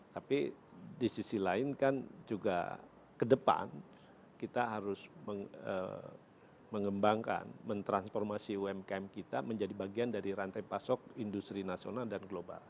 tapi di sisi lain kan juga ke depan kita harus mengembangkan mentransformasi umkm kita menjadi bagian dari rantai pasok industri nasional dan global